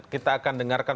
kita akan dengarkan